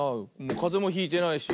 かぜもひいてないし。